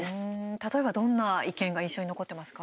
例えばどんな意見が印象に残ってますか。